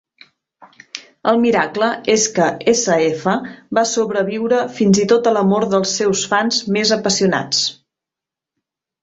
El miracle és que S-F va sobreviure fins i tot a l'amor dels seus fans més apassionats.